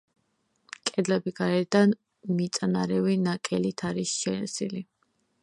კედლები გარედან მიწანარევი ნაკელით არის შელესილი.